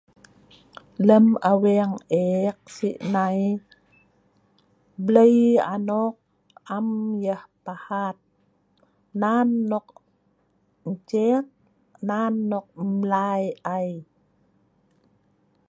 lem aweng eek si'nai, blei anok am yah pahat, nan nok encet, nan nok mlai ai